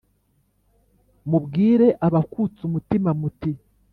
mubwire abakutse umutima, muti